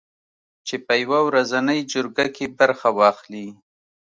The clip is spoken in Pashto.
چې په یوه ورځنۍ جرګه کې برخه واخلي